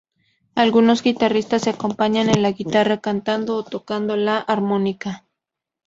Algunos guitarristas se acompañan en la guitarra cantando o tocando la armónica.